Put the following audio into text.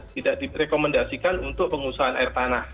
tidak direkomendasikan untuk pengusahaan air tanah